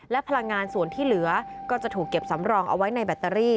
และพลังงานส่วนที่เหลือก็จะถูกเก็บสำรองเอาไว้ในแบตเตอรี่